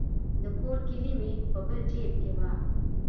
د کور کیلي مې په بل جیب کې وه.